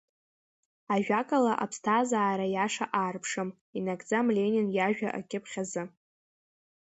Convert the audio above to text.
Ажәакала, аԥсҭазара иаша аарԥшым, инагӡам Ленин иажәа акьыԥхь азы…